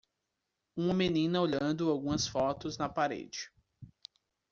Uma menina olhando algumas fotos na parede.